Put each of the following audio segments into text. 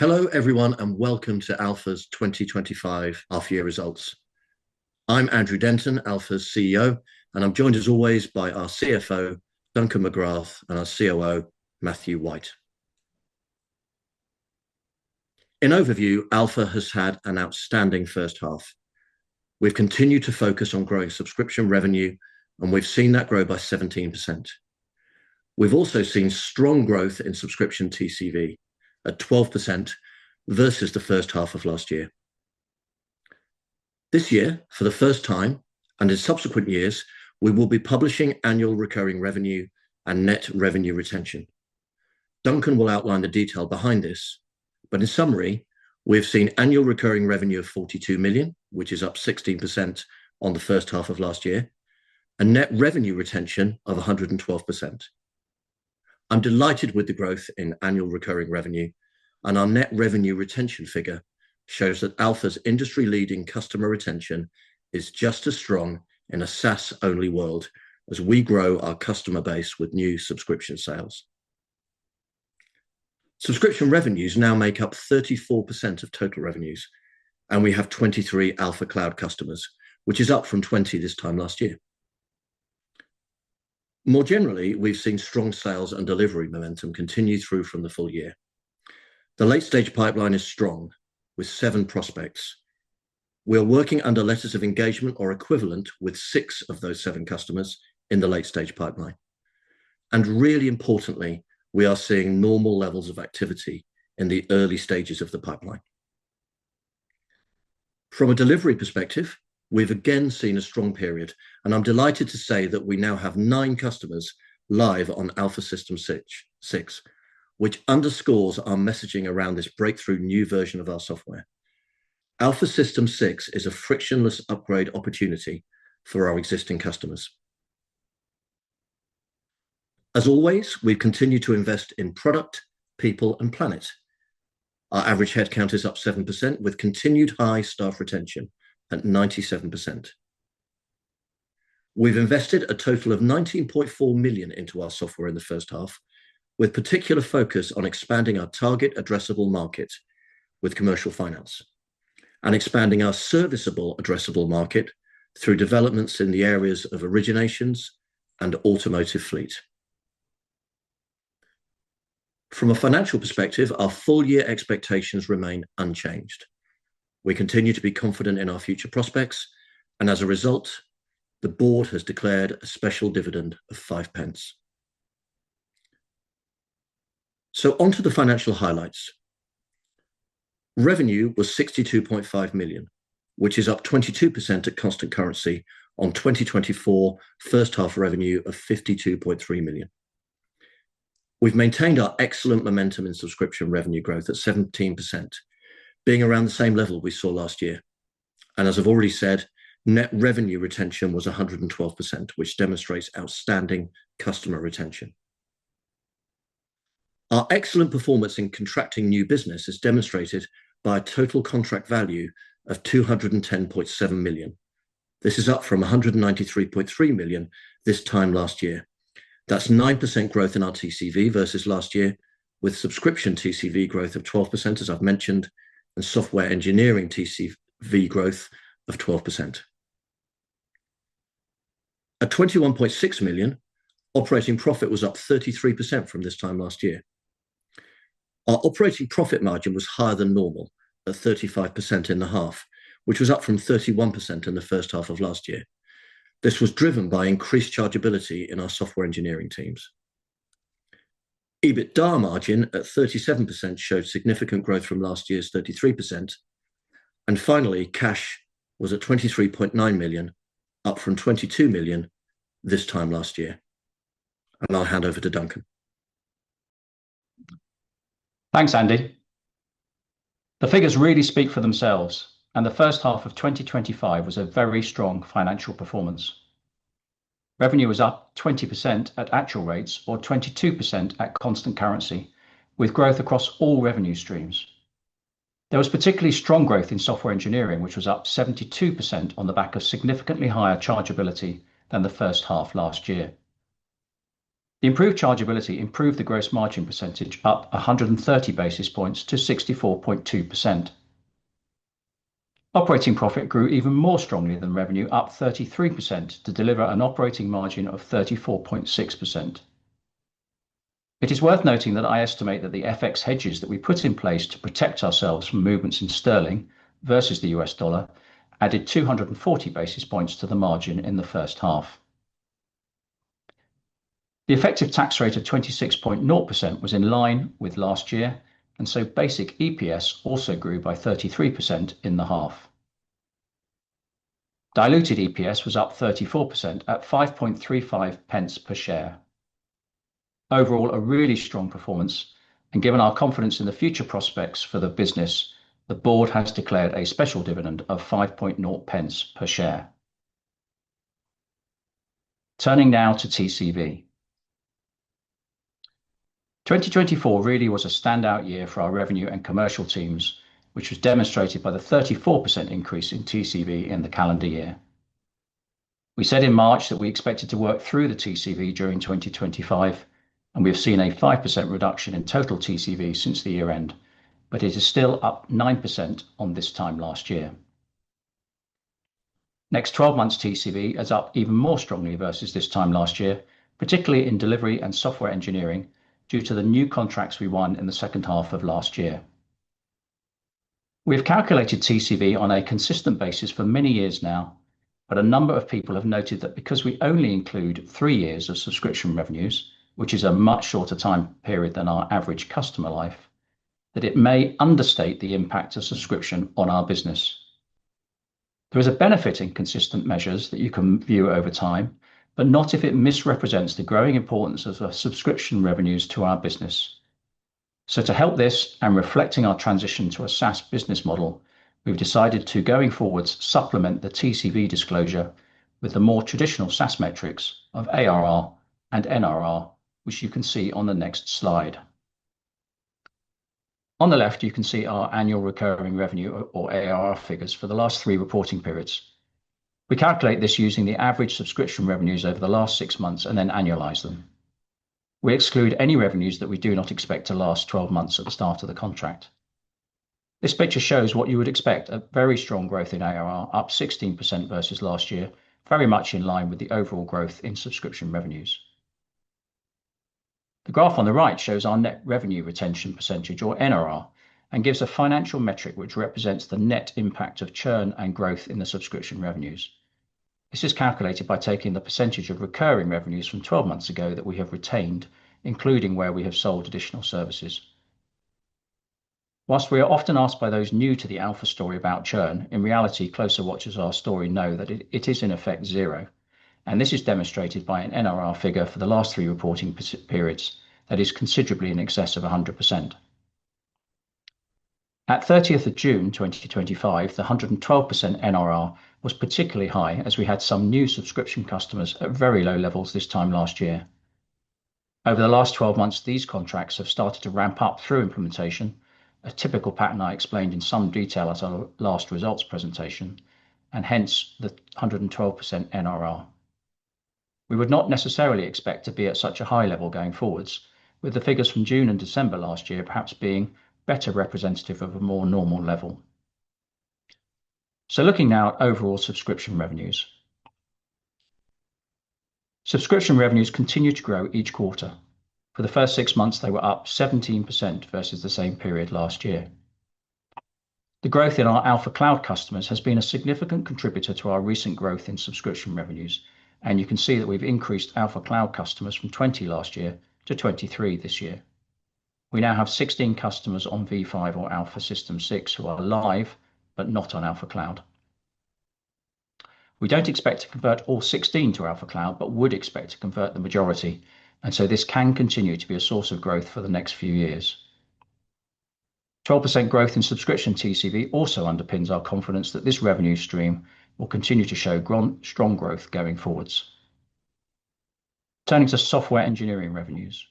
Hello, everyone, and welcome to Alfa's twenty twenty five Half Year Results. I'm Andrew Denton, Alfa's CEO, and I'm joined as always by our CFO, Duncan McGrath and our COO, Matthew White. In overview, Alpha has had an outstanding first half. We've continued to focus on growing subscription revenue, and we've seen that grow by 17%. We've also seen strong growth in subscription TCV at 12% versus the first half of last year. This year, for the first time and in subsequent years, we will be publishing annual recurring revenue and net revenue retention. Duncan will outline the detail behind this. But in summary, we have seen annual recurring revenue of €42,000,000 which is up 16% on the first half of last year and net revenue retention of 112%. I'm delighted with the growth in annual recurring revenue, and our net revenue retention figure shows that Alpha's industry leading customer retention is just as strong in a SaaS only world as we grow our customer base with new subscription sales. Subscription revenues now make up 34% of total revenues, and we have 23 Alpha Cloud customers, which is up from 20 this time last year. More generally, we've seen strong sales and delivery momentum continue through from the full year. The late stage pipeline is strong with seven prospects. We are working under letters of engagement or equivalent with six of those seven customers in the late stage pipeline. And really importantly, we are seeing normal levels of activity in the early stages of the pipeline. From a delivery perspective, we've again seen a strong period, and I'm delighted to say that we now have nine customers live on Alpha System six, which underscores our messaging around this breakthrough new version of our software. Alpha System six is a frictionless upgrade opportunity for our existing customers. As always, we continue to invest in product, people and planet. Our average headcount is up 7% with continued high staff retention at 97%. We've invested a total of $19,400,000 into our software in the first half, with particular focus on expanding our target addressable market with commercial finance and expanding our serviceable addressable market through developments in the areas of originations and automotive fleet. From a financial perspective, our full year expectations remain unchanged. We continue to be confident in our future prospects. And as a result, the Board has declared a special dividend of 5p. So on to the financial highlights. Revenue was $62,500,000 which is up 22% at constant currency on twenty twenty four first half revenue of $52,300,000 We've maintained our excellent momentum in subscription revenue growth at 17%, being around the same level we saw last year. And as I've already said, net revenue retention was 112%, which demonstrates outstanding customer retention. Our excellent performance in contracting new business is demonstrated by a total contract value of $210,700,000 This is up from $193,300,000 this time last year. That's 9% growth in our TCV versus last year, with subscription TCV growth of 12%, as I've mentioned, and software engineering TCV growth of 12%. At $21,600,000 operating profit was up 33% from this time last year. Our operating profit margin was higher than normal at 35% in the half, which was up from 31% in the first half of last year. This was driven by increased chargeability in our software engineering teams. EBITDA margin at 37% showed significant growth from last year's 33%. And finally, cash was at $23,900,000 up from $22,000,000 this time last year. And I'll hand over to Duncan. Thanks, Andy. The figures really speak for themselves, and the 2025 was a very strong financial performance. Revenue was up 20% at actual rates or 22% at constant currency, with growth across all revenue streams. There was particularly strong growth in software engineering, which was up 72% on the back of significantly higher chargeability than the first half last year. The improved chargeability improved the gross margin percentage, up 130 basis points to 64.2%. Operating profit grew even more strongly than revenue, up up 33% to deliver an operating margin of 34.6%. It is worth noting that I estimate that the FX hedges that we put in place to protect ourselves from movements in sterling versus the U. S. Dollar added two forty basis points to the margin in the first half. The effective tax rate of 26% was in line with last year, and so basic EPS also grew by 33% in the half. Diluted EPS was up 34% at 5.35p per share. Overall, a really strong performance. And given our confidence in the future prospects for the business, the Board has declared a special dividend of 5.0p per share. Turning now to TCV. 2024 really was a standout year for our revenue and commercial teams, which was demonstrated by the 34% increase in TCV in the calendar year. We said in March that we expected to work through the TCV during 2025, and we have seen a 5% reduction in total TCV since the year end, but it is still up 9% on this time last year. Next twelve months TCV is up even more strongly versus this time last year, particularly in delivery and software engineering due to the new contracts we won in the second half of last year. We have calculated TCV on a consistent basis for many years now, but a number of people have noted that because we only include three years of subscription revenues, which is a much shorter time period than our average customer life, that it may understate the impact of subscription on our business. There is a benefit in consistent measures that you can view over time, but not if it misrepresents the growing importance of subscription revenues to our business. So to help this and reflecting our transition to a SaaS business model, we've decided to going forward supplement the TCV disclosure with the more traditional SaaS metrics of ARR and NRR, which you can see on the next slide. On the left, you can see our annual recurring revenue or ARR figures for the last three reporting periods. We calculate this using the average subscription revenues over the last six months and then annualize them. We exclude any revenues that we do not expect to last twelve months at the start of the contract. This picture shows what you would expect, a very strong growth in ARR, up 16% versus last year, very much in line with the overall growth in subscription revenues. The graph on the right shows our net revenue retention percentage or NRR and gives a financial metric, which represents the net impact of churn and growth in the subscription revenues. This is calculated by taking the percentage of recurring revenues from twelve months ago that we have retained, including where we have sold additional services. Whilst we are often asked by those new to the Alpha story about churn, in reality, Closer watches our story know that it is in effect zero. And this is demonstrated by an NRR figure for the last three reporting periods that is considerably in excess of 100%. At 06/30/2025, the 112% NRR was particularly high as we had some new subscription customers at very low levels this time last year. Over the last twelve months, these contracts have started to ramp up through implementation, a typical pattern I explained in some detail at our last results presentation, and hence, the 112% NRR. We would not necessarily expect to be at such a high level going forwards, with the figures from June and December perhaps being better representative of a more normal level. So looking now at overall subscription revenues. Subscription revenues continue to grow each quarter. For the first six months, they were up 17% versus the same period last year. The growth in our Alpha Cloud customers has been a significant contributor to our recent growth in subscription revenues, and you can see that we've increased Alpha Cloud customers from 20 last year to 23 this year. We now have 16 customers on v five or Alpha System six who are live but not on Alpha Cloud. We don't expect to convert all 16 to Alpha Cloud, but would expect to convert the majority, and so this can continue to be a source of growth for the next few years. 12% growth in subscription TCV also underpins our confidence that this revenue stream will continue to show strong growth going forwards. Turning to software engineering revenues.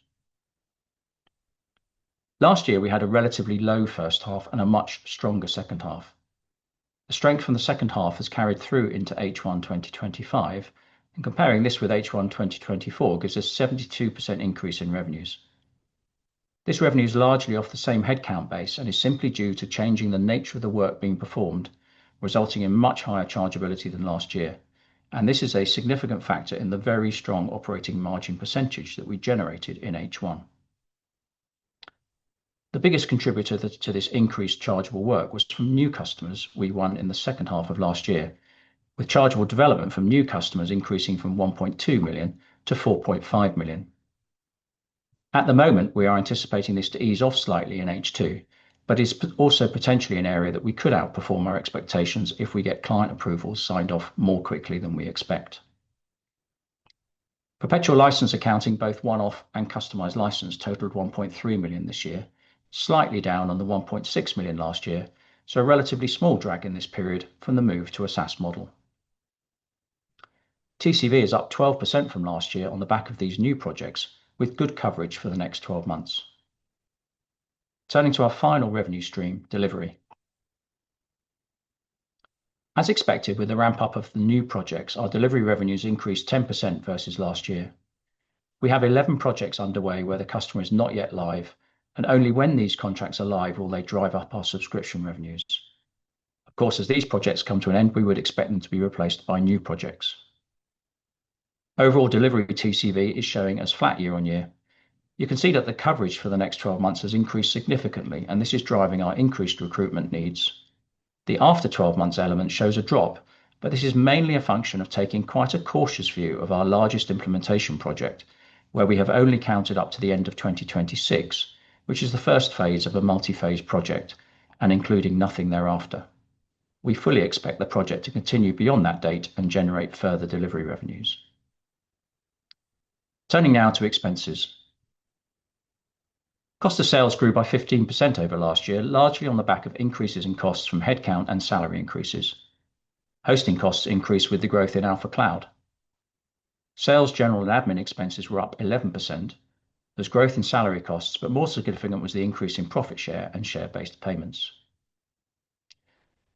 Last year, we had a relatively low first half and a much stronger second half. The strength from the second half has carried through into H1 twenty twenty five, and comparing this with H1 twenty twenty four gives us 72 percent increase in revenues. This revenue is largely off the same headcount base and is simply due to changing the nature of the work being performed, resulting in much higher chargeability than last year. And this is a significant factor in the very strong operating margin percentage that we generated in H1. The biggest contributor to this increased chargeable work was from new customers we won in the second half of last year, with chargeable development from new customers increasing from 1,200,000 to 4,500,000. At the moment, we are anticipating this to ease off slightly in H2, but it's also potentially an area that we could outperform our expectations if we get client approvals signed off more quickly than we expect. Perpetual license accounting, both one off and customized license, totaled $1,300,000 this year, slightly down on the $1,600,000 last year, so a relatively small drag in this period from the move to a SaaS model. TCV is up 12% from last year on the back of these new projects with good coverage for the next twelve months. Turning to our final revenue stream, delivery. As expected with the ramp up of new projects, our delivery revenues increased 10% versus last year. We have 11 projects underway where the customer is not yet live, and only when these contracts are live will they drive up our subscription revenues. Of course, as these projects come to an end, we would expect them to be replaced by new projects. Overall delivery of TCV is showing as flat year on year. Can see that the coverage for the next twelve months has increased significantly, and this is driving our increased recruitment needs. The after twelve months element shows a drop, but this is mainly a function of taking quite a cautious view of our largest implementation project, where we have only counted up to the 2026, which is the first phase of a multiphase project and including nothing thereafter. We fully expect the project to continue beyond that date and generate further delivery revenues. Turning now to expenses. Cost of sales grew by 15% over last year, largely on the back of increases in costs from headcount and salary increases. Hosting costs increased with the growth in Alpha Cloud. Sales, general and admin expenses were up 11%. There's growth in salary costs, but more significant was the increase in profit share and share based payments.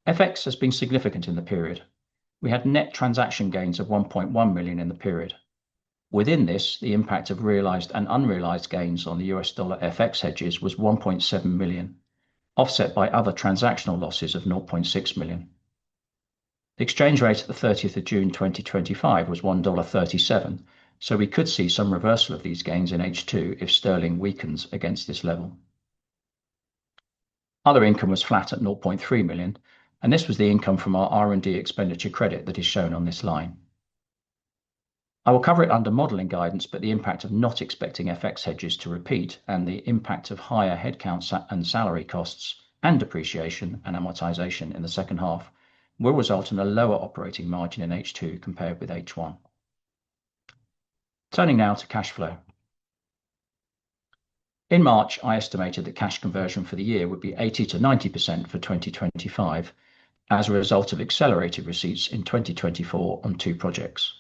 FX has been significant in the period. We had net transaction gains of $1,100,000 in the period. Within this, the impact of realized and unrealized gains on the U. S. Dollar FX hedges was $1,700,000 offset by other transactional losses of $600,000 The exchange rate at the 06/30/2025 was 1.37 we could see some reversal of these gains in H2 if sterling weakens against this level. Other income was flat at $300,000 and this was the income from our R and D expenditure credit that is shown on this line. I will cover it under modeling guidance, but the impact of not expecting FX hedges to repeat and the impact of higher headcount and salary costs and depreciation and amortization in the second half will result in a lower operating margin in H2 compared with H1. Turning now to cash flow. In March, I estimated that cash conversion for the year would be 80% to 90% for 2025 as a result of accelerated receipts in 2024 on two projects.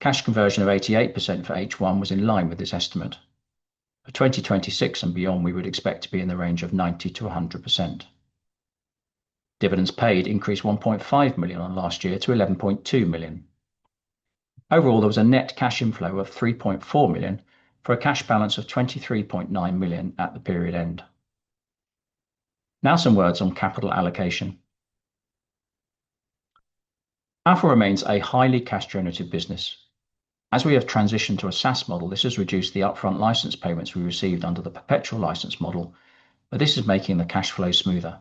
Cash conversion of 88% for H1 was in line with this estimate. For 2026 and beyond, we would expect to be in the range of 90% to 100%. Dividends paid increased $1,500,000 on last year to 11,200,000.0 Overall, there was a net cash inflow of $3,400,000 for a cash balance of $23,900,000 at the period end. Now some words on capital allocation. Alpha remains a highly cash generative business. As we have transitioned to a SaaS model, this has reduced the upfront license payments we received under the perpetual license model, but this is making the cash flow smoother.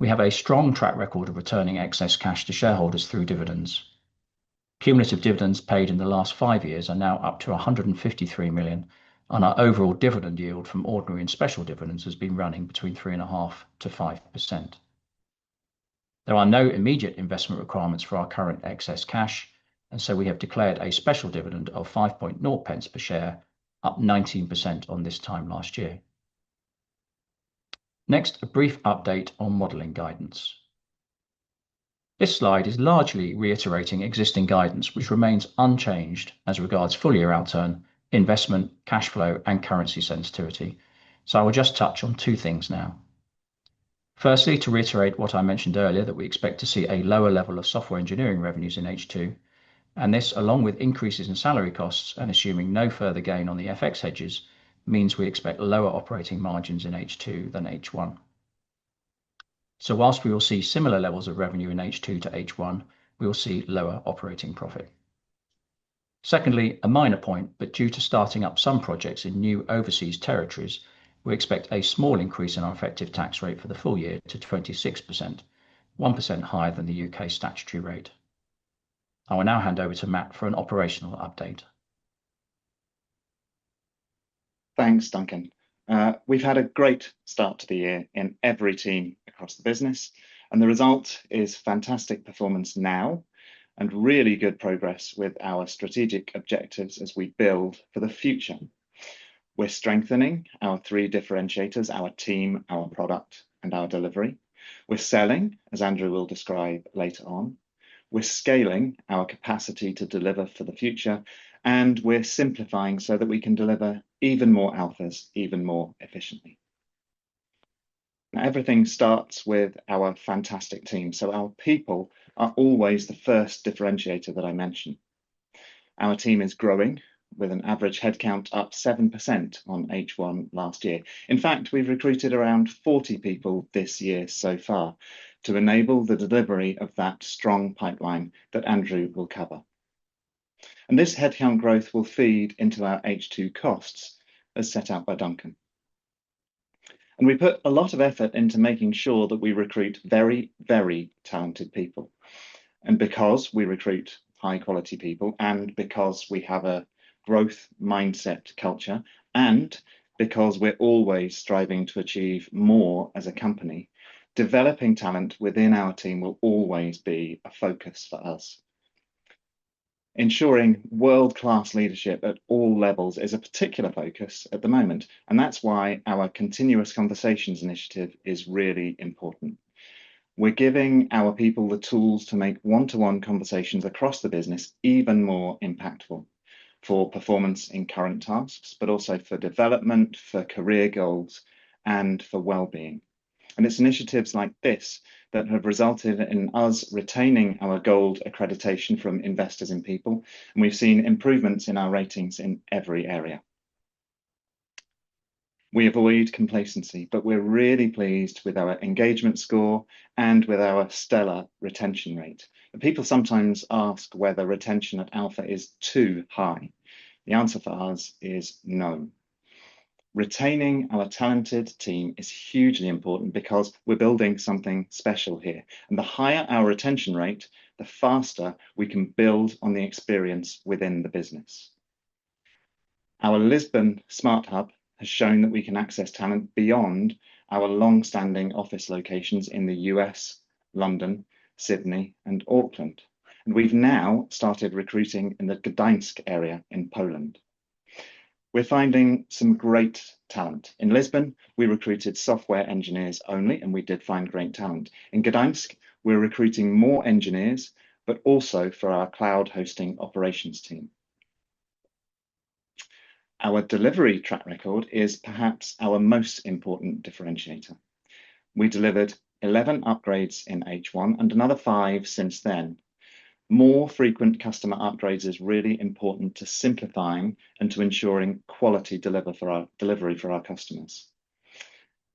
We have a strong track record of returning excess cash to shareholders through dividends. Cumulative dividends paid in the last five years are now up to $153,000,000 and our overall dividend yield from ordinary and special dividends has been running between 3.5% to 5%. There are no immediate investment requirements for our current excess cash, so we have declared a special dividend of 5.0p per share, up 19% on this time last year. Next, a brief update on modeling guidance. This slide is largely reiterating existing guidance, which remains unchanged as regards full year outturn, investment, cash flow and currency sensitivity. So I will just touch on two things now. Firstly, to reiterate what I mentioned earlier that we expect to see a lower level of software engineering revenues in H2, and this along with increases in salary costs and assuming no further gain on the FX hedges means we expect lower operating margins in H2 than H1. So whilst we will see similar levels of revenue in H2 to H1, we will see lower operating profit. Secondly, a minor point, but due to starting up some projects in new overseas territories, we expect a small increase in our effective tax rate for the full year to 26%, 1% higher than The UK statutory rate. I will now hand over to Matt for an operational update. Thanks, Duncan. We've had a great start to the year in every team across the business and the result is fantastic performance now and really good progress with our strategic objectives as we build for the future. We're strengthening our three differentiators, our team, our product and our delivery. We're selling, as Andrew will describe later on. We're scaling our capacity to deliver for the future and we're simplifying so that we can deliver even more alphas even more efficiently. Now everything starts with our fantastic team. So our people are always the first differentiator that I mentioned. Our team is growing with an average headcount up 7% on h one last year. In fact, we've recruited around 40 people this year so far to enable the delivery of that strong pipeline that Andrew will cover. And this headcount growth will feed into our h two costs as set out by Duncan. And we put a lot of effort into making sure that we recruit very, very talented people. And because we recruit high quality people and because we have a growth mindset culture and because we're always striving to achieve more as a company, developing talent within our team will always be a focus for us. Ensuring world class leadership at all levels is a particular focus at the moment, and that's why our continuous conversations initiative is really important. We're giving our people the tools to make one to one conversations across the business even more impactful for performance in current tasks, but also for development, for career goals, and for well-being. And it's initiatives like this that have resulted in us retaining our gold accreditation from investors and people. We've seen improvements in our ratings in every area. We avoid complacency, but we're really pleased with our engagement score and with our stellar retention rate. And people sometimes ask whether retention at Alpha is too high. The answer for us is no. Retaining our talented team is hugely important because we're building something special here. And the higher our retention rate, the faster we can build on the experience within business. Our Lisbon Smart Hub has shown that we can access talent beyond our long standing office locations in The US, London, Sydney, and Auckland. And we've now started recruiting in the Gdansk area in Poland. We're finding some great talent. In Lisbon, we recruited software engineers only and we did find great talent. In Gdansk, we're recruiting more engineers, but also for our cloud hosting operations team. Our delivery track record is perhaps our most important differentiator. We delivered 11 upgrades in h one and another five since then. More frequent customer upgrades is really important to simplifying and to ensuring quality deliver for our delivery for our customers.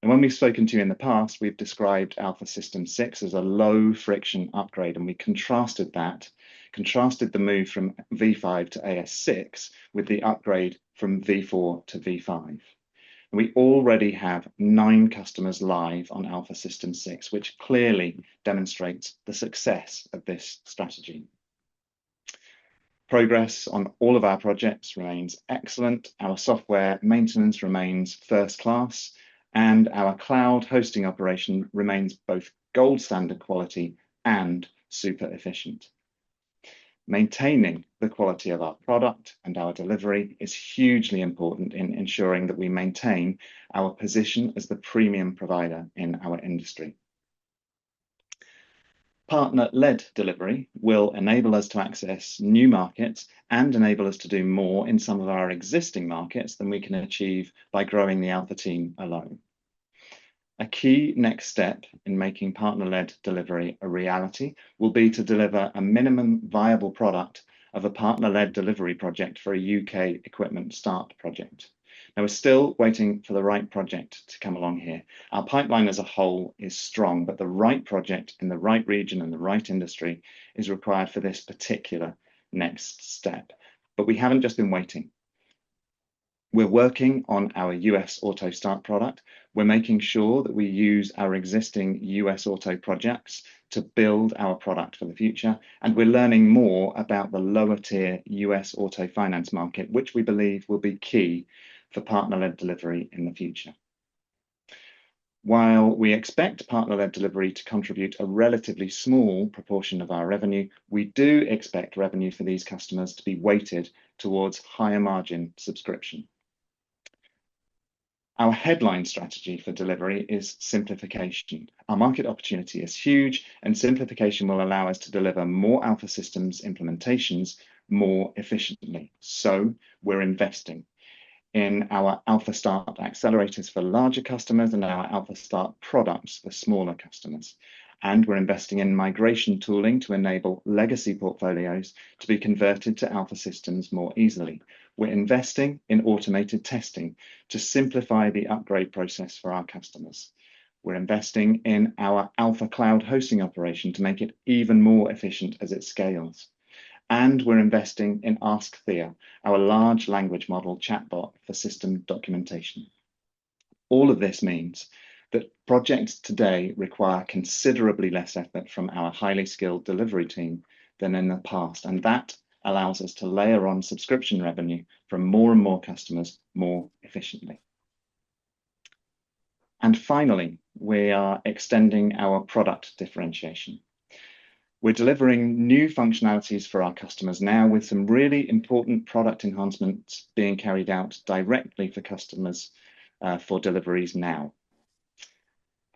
And when we've spoken to you in the past, we've described Alpha System six as a low friction upgrade and we contrasted that, contrasted the move from v five to a s six with the upgrade from v four to v five. We already have nine customers live on Alpha System six, which clearly demonstrates the success of this strategy. Progress on all of our projects remains excellent. Our software maintenance remains first class, and our cloud hosting operation remains both gold standard quality and super efficient. Maintaining the quality of our product and our delivery is hugely important in ensuring that we maintain our position as the premium provider in our industry. Partner led delivery will enable us to access new markets and enable us to do more in some of our existing markets than we can achieve by growing the Alpha team alone. A key next step in making partner led delivery a reality will be to deliver a minimum viable product of a partner led delivery project for a UK equipment start project. Now we're still waiting for the right project to come along here. Our pipeline as a whole is strong, but the right project in the right region and the right industry is required for this particular next step. But we haven't just been waiting. We're working on our US auto start product. We're making sure that we use our existing US auto projects to build our product for the future and we're learning more about the lower tier U. S. Auto finance market, which we believe will be key for partner led delivery in the future. While we expect partner led delivery to contribute a relatively small proportion of our revenue, we do expect revenue for these customers to be weighted While towards higher margin subscription. Our headline strategy for delivery is simplification. Our market opportunity is huge, and simplification will allow us to deliver more Alpha Systems implementations more efficiently. So we're investing in our AlphaStar accelerators for larger customers and our AlphaStar products for smaller customers. And we're investing in migration tooling to enable legacy portfolios to be converted to Alpha systems more easily. We're investing in automated testing to simplify the upgrade process for our customers. We're investing in our Alpha Cloud hosting operation to make it even more efficient as it scales. And we're investing in AskThea, our large language model chatbot for system documentation. All of this means that projects today require considerably less effort from our highly skilled delivery team than in the past, and that allows us to layer on subscription revenue from more and more customers more efficiently. And finally, we are extending our product differentiation. We're delivering new functionalities for our customers now with some really important product enhancements being carried out directly for customers for deliveries now.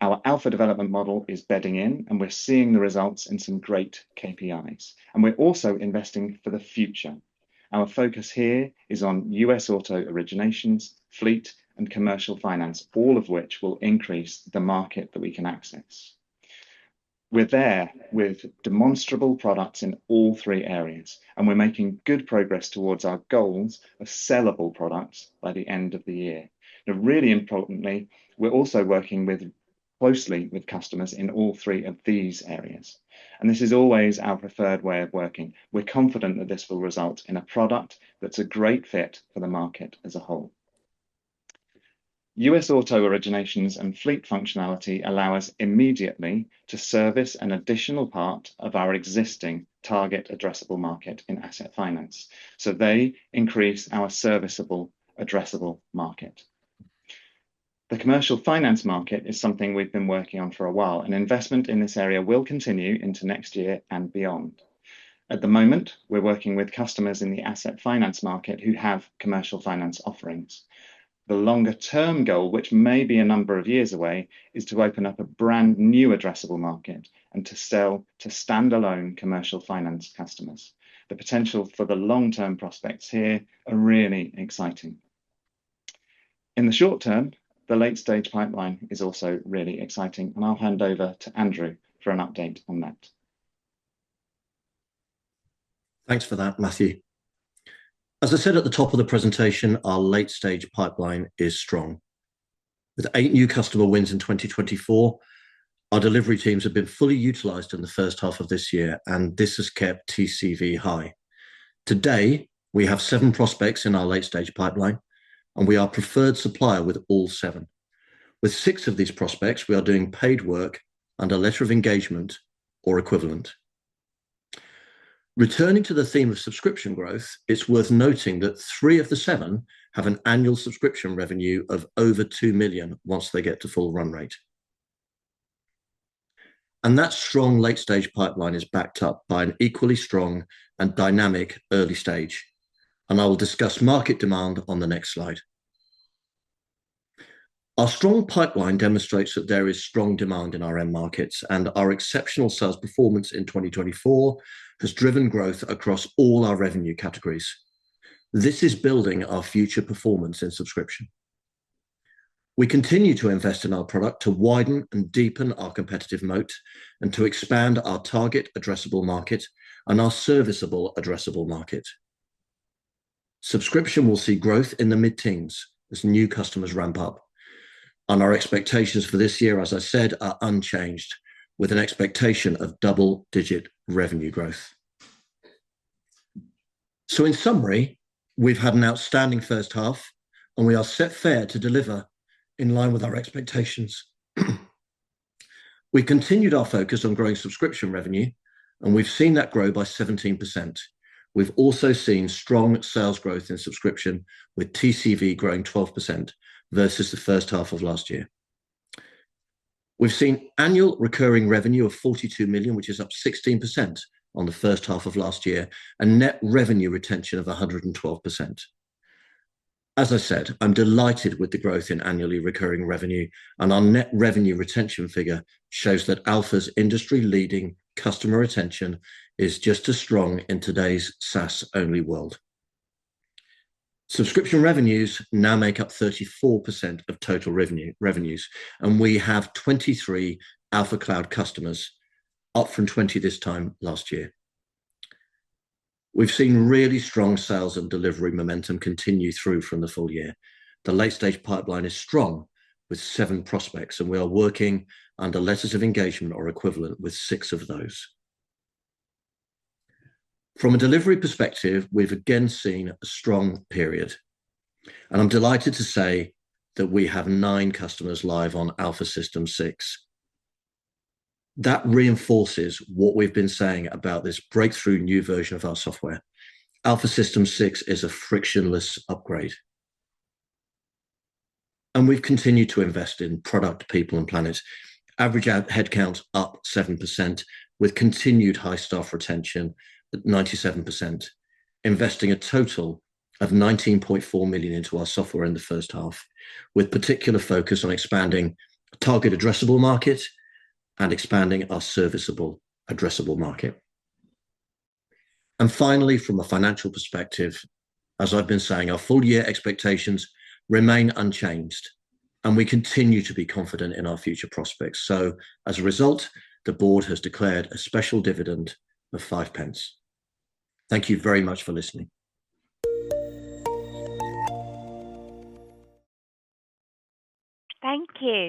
Our Alpha development model is bedding in and we're seeing the results in some great KPIs. And we're also investing for the future. Our focus here is on US Auto Originations, fleet and commercial finance, all of which will increase the market that we can access. We're there with demonstrable products in all three areas, and we're making good progress towards our goals of sellable products by the end of the year. And really importantly, we're also working with closely with customers in all three of these areas. And this is always our preferred way of working. We're confident that this will result in a product that's a great fit for the market as a whole. US auto originations and fleet functionality allow us immediately to service an additional part of our existing target addressable market in asset finance. So they increase our serviceable addressable market. The commercial finance market is something we've been working on for a while and investment in this area will continue into next year and beyond. At the moment, we're working with customers in the asset finance market who have commercial finance offerings. The longer term goal, which may be a number of years away, is to open up a brand new addressable market and to sell to standalone commercial finance customers. The potential for the long term prospects here are really exciting. In the short term, the late stage pipeline is also really exciting, and I'll hand over to Andrew for an update on that. Thanks for that, Matthew. As I said at the top of the presentation, our late stage pipeline is strong. With eight new customer wins in twenty twenty four, our delivery teams have been fully utilized in the first half of this year, and this has kept TCV high. Today, we have seven prospects in our late stage pipeline, and we are preferred supplier with all seven. With six of these prospects, we are doing paid work and a letter of engagement or equivalent. Returning to the theme of subscription growth, it's worth noting that three of the seven have an annual subscription revenue of over £2,000,000 once they get to full run rate. And that strong late stage pipeline is backed up by an equally strong and dynamic early stage. And I will discuss market demand on the next slide. Our strong pipeline demonstrates that there is strong demand in our end markets, and our exceptional sales performance in 2024 has driven growth across all our revenue categories. This is building our future performance in subscription. We continue to invest in our product to widen and deepen our competitive moat and to expand our target addressable market and our serviceable addressable market. Subscription will see growth in the mid teens as new customers ramp up. And our expectations for this year, as I said, are unchanged with an expectation of double digit revenue growth. So in summary, we've had an outstanding first half, and we are set fair to deliver in line with our expectations. We continued our focus on growing subscription revenue, and we've seen that grow by 17%. We've also seen strong sales growth in subscription with TCV growing 12% versus the first half of last year. We've seen annual recurring revenue of 42,000,000, which is up 16% on the first half of last year and net revenue retention of 112. As I said, I'm delighted with the growth in annually recurring revenue, and our net revenue retention figure shows that Alpha's industry leading customer retention is just as strong in today's SaaS only world. Subscription revenues now make up 34% of total revenue revenues, and we have 23 Alpha Cloud customers, up from 20 this time last year. We've seen really strong sales and delivery momentum continue through from the full year. The late stage pipeline is strong with seven prospects, and we are working under letters of engagement or equivalent with six of those. From a delivery perspective, we've again seen a strong period. And I'm delighted to say that we have nine customers live on Alpha System six. That reinforces what we've been saying about this breakthrough new version of our software. Alpha System six is a frictionless upgrade. And we've continued to invest in product, people and planet. Average headcount up 7% with continued high staff retention at 97%, investing a total of £19,400,000 into our software in the first half, with particular focus on expanding target addressable market and expanding our serviceable addressable market. And finally, from a financial perspective, as I've been saying, our full year expectations remain unchanged, and we continue to be confident in our future prospects. So as a result, the Board has declared a special dividend of 5p. Thank you very much for listening. Thank you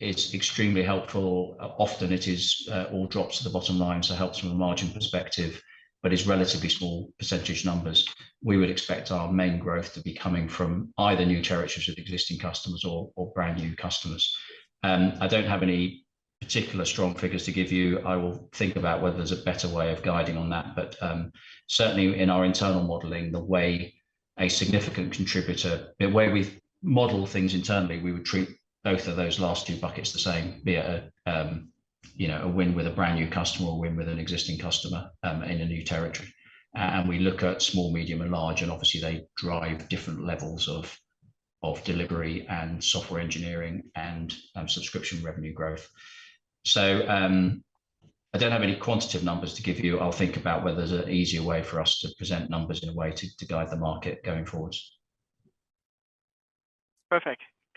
to the Alpha team for the presentation. We've had a number of questions that have been presubmitted and submitted live. Now moving on to the first question that has been submitted. How is demand for software from banks and finance companies right now? Maybe that's one for you, Andy. Thanks very much. And first and foremost, from all of us at Alfa,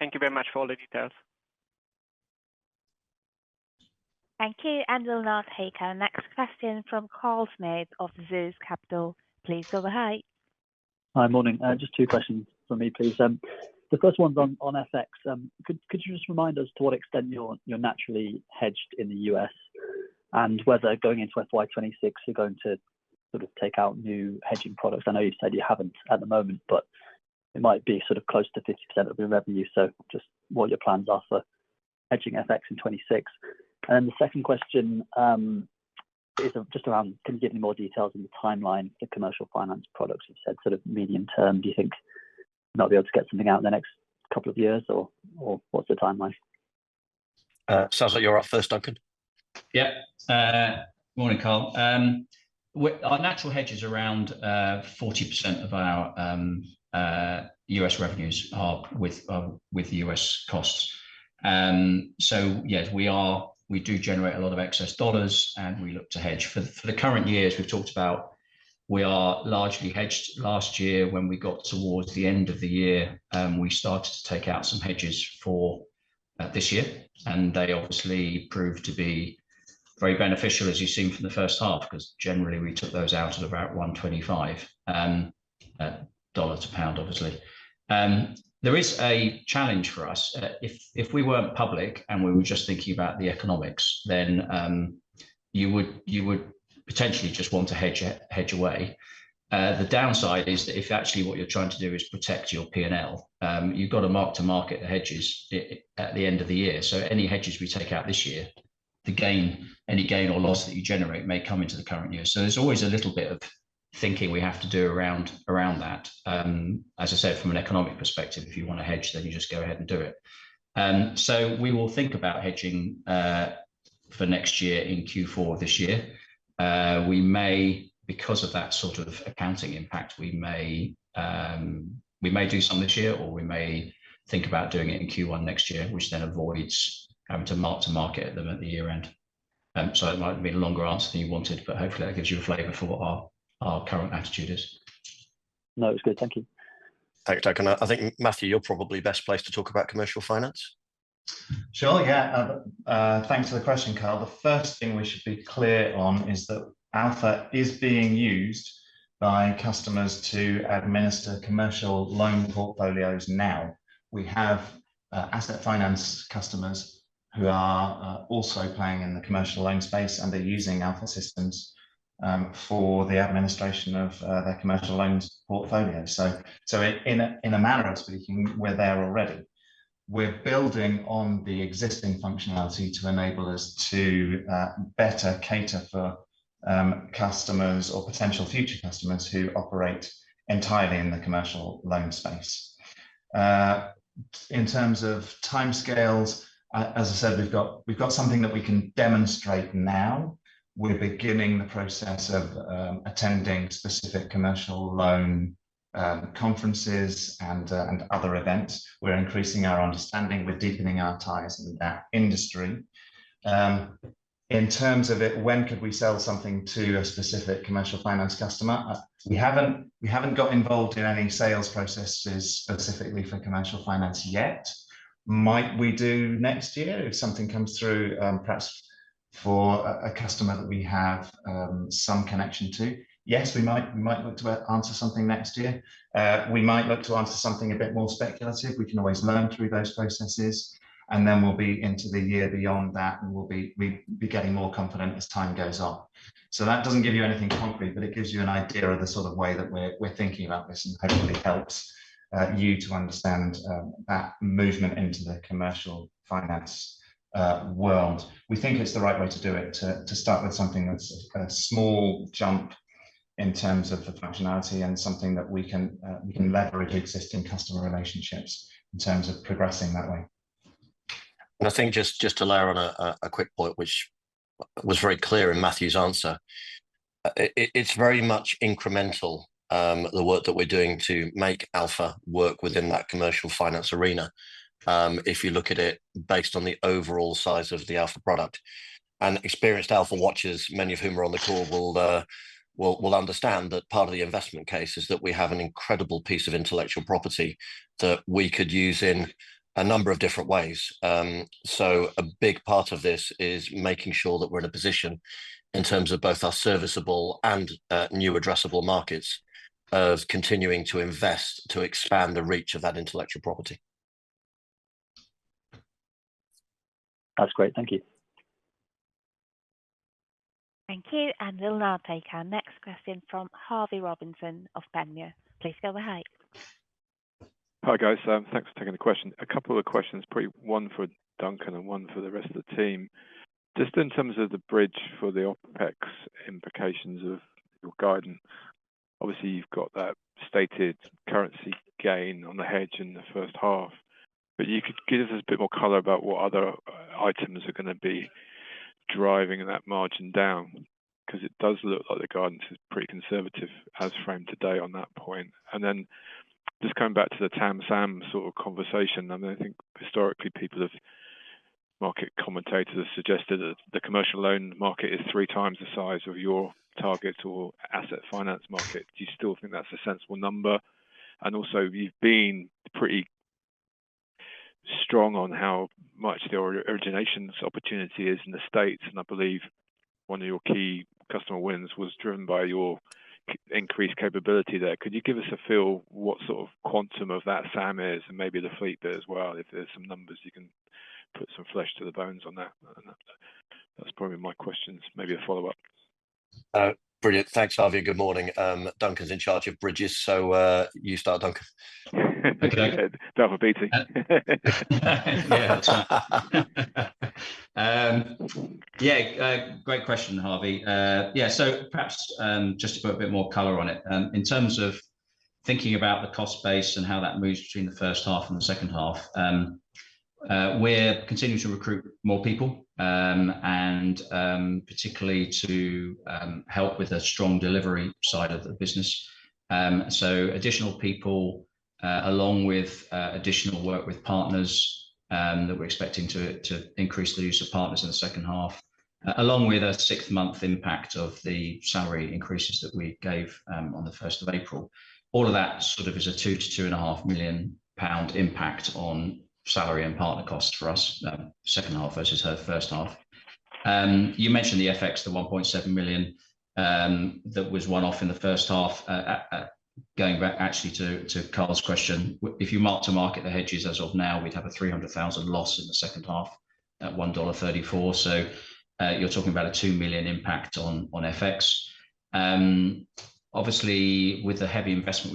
thank you very much for taking the time to attend this afternoon's presentation. We appreciate it, and we appreciate all the excellent questions. I tried to cover this off in my part of the presentation, and we looked at the late stage pipeline where we have seven, good customers at that well developed state. Six of them are doing paid work with us. That's something that we try this year came from existing customers, with 28% from, new customers. I think, what we're trying to do with that is, also talk about that as revenue of a recurring nature. So even when a customer goes live, you might think that might be the end of our relationship and that for instance delivery revenues may come to a stop. But for most customers, there's an ongoing relationship where we continue to get revenues going forward. So actual, even if you look to the definition of actual one off, which might be just a one off license receipt that we get, very, very, very small in our numbers. If you're talking about the split between, sort of existing and new business, then then as I said, 72% comes from existing came from existing clients and 28% from new clients in the first half. And Duncan, do you earn extra fees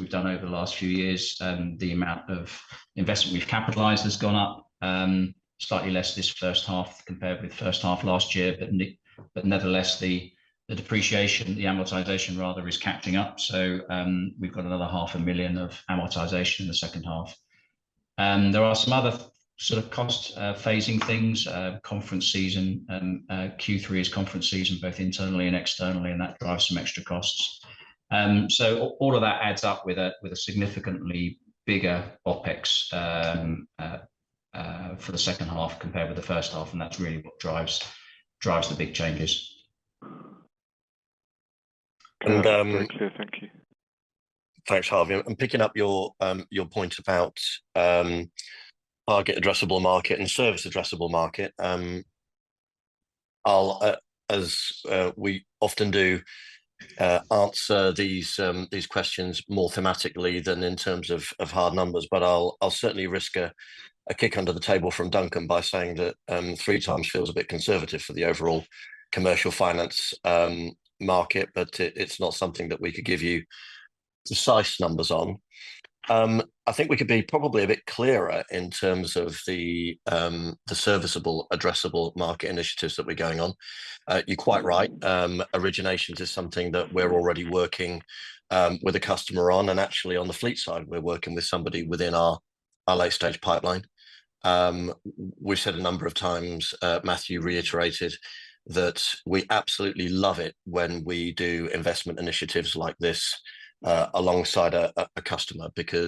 for get a chance to do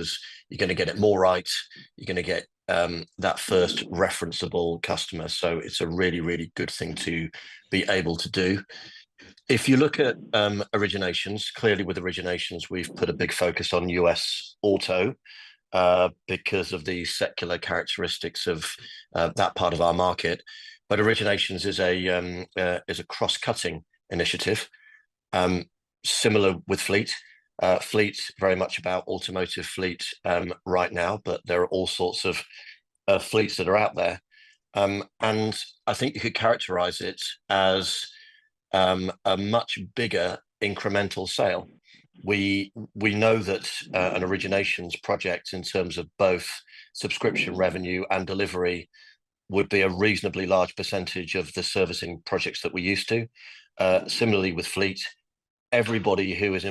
all that often. So your support is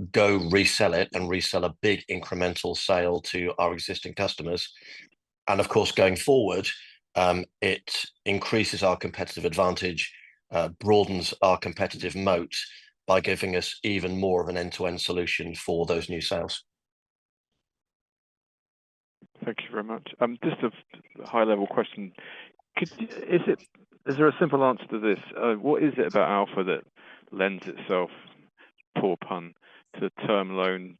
really important.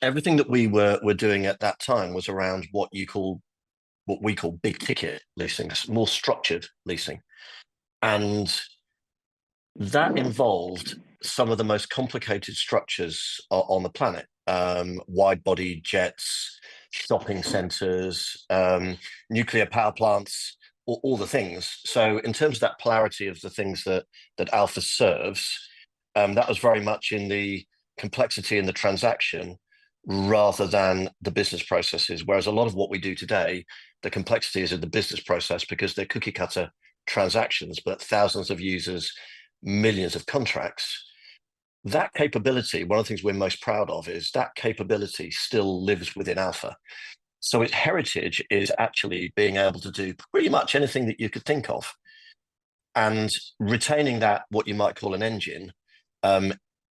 We appreciate the level of engagement that we've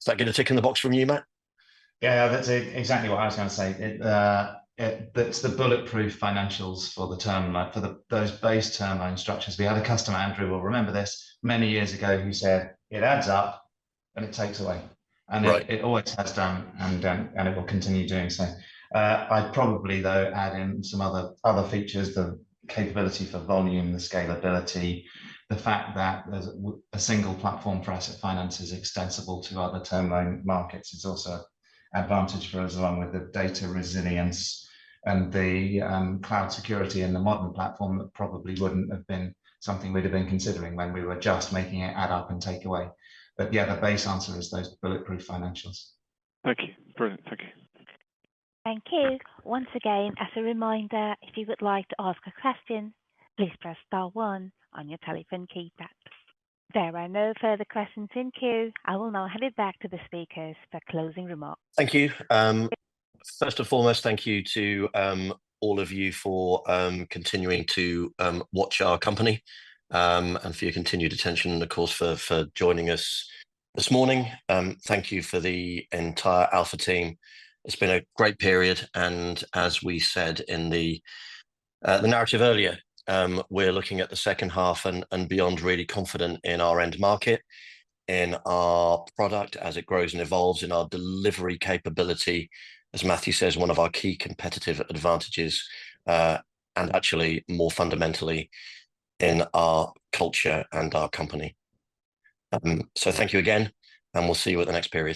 had this afternoon. And as I said, you're taking some time out of your afternoon to listen to us. Hopefully, you'll continue to monitor the company maybe by a shower or two, and we'll see you hopefully next time we report. Thank you to Andy, Duncan and Matthew for joining us today. That concludes the Alpha Financial Software Investor Presentation. Please take a moment to complete the short survey following this event. A record of this presentation will be made available on Engage Investor, and I hope you enjoyed the presentation today. Thank you.